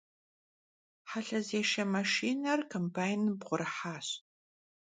Helhezêşşe maşşiner kombaynım bğurıhaş.